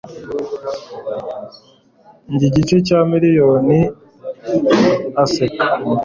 njye igice cya miliyoni; aseka